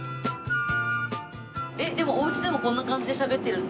えっでもお家でもこんな感じでしゃべってるんですよね？